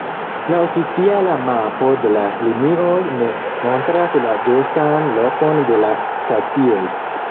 La oficiala mapo de la linioj ne montras la ĝustan lokon de la stacioj.